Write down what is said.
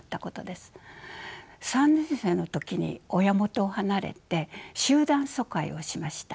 ３年生の時に親元を離れて集団疎開をしました。